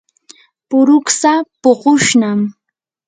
puruksa puqushnam.